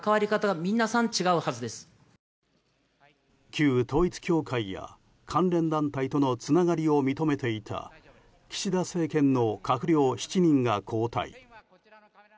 旧統一教会や関連団体とのつながりを認めていた岸田政権の閣僚７人が交代。